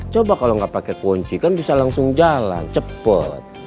coba kalau nggak pakai kunci kan bisa langsung jalan cepat